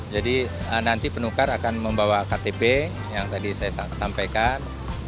jadi nanti penukar akan membawa ktp yang tadi saya sampaikan